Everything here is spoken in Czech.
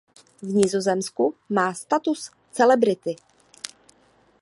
V Nizozemsku má status celebrity.